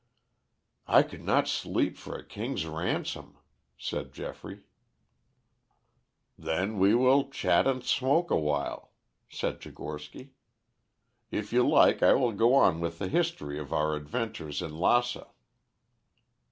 "I could not sleep for a king's ransom," said Geoffrey. "Then we will chat and smoke awhile," said Tchigorsky. "If you like, I will go on with the history of our adventures in Lassa."